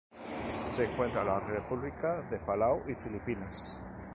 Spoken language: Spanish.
Se encuentra en la República de Palau y las Filipinas.